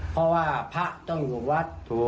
เพราะว่าพระต้องอยู่วัดถูก